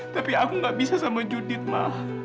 tapi aku gak bisa sama judit mah